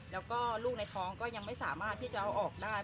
แล้วก็ลูกในท้องก็ยังไม่สามารถที่จะเอาออกได้